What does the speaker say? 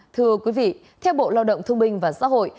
thưa quý vị theo bộ lao động thương binh và xã hội